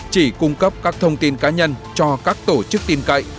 chỉ cung cấp các thông tin cá nhân cho các tổ chức tin cậy